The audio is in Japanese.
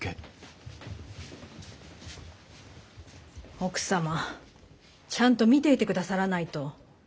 奥様ちゃんと見ていてくださらないと。